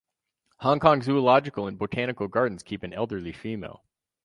Hong Kong Zoological and Botanical Gardens keep an elderly female.